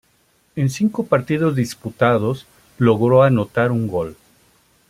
En cinco partidos disputados logró anotar un gol.